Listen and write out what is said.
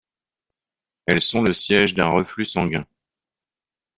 Elles sont le siège d'un reflux sanguin.